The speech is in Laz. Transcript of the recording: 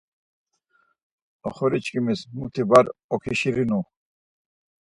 Oxorişǩimis muti var oǩişirinu.